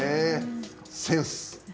センス。